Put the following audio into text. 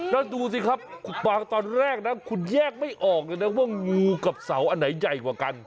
แล้วดูสิครับคุณปางตอนแรกนะคุณแยกไม่ออกเลยนะว่างูกับเสาอันไหนใหญ่กว่ากัน